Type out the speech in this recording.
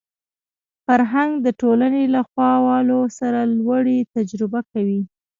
فرهنګ د ټولنې له خوالو سره لوړې تجربه کوي